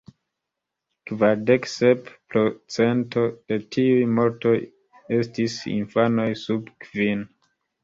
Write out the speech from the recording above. Kvardek sep procento de tiuj mortoj estis infanoj sub kvin.